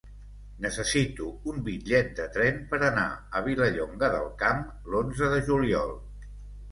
Necessito un bitllet de tren per anar a Vilallonga del Camp l'onze de juliol.